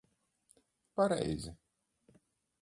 Pareizi.